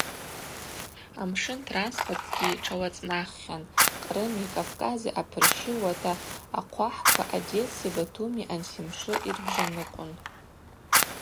Амшын транспортгьи тшауацӏнаххьан Кърыми Кӏавкӏази апырщылуата – ахъвахӏква Одесси Батуми ансимшы йырбжьаныкъвун.